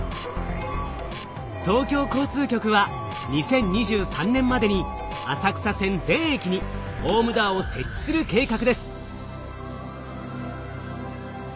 東京交通局は２０２３年までに浅草線全駅にホームドアを設置する計画です。